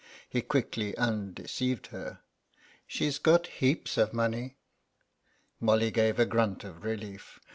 He quickly undeceived her. "She's got heaps of money." Molly gave a grunt of relief.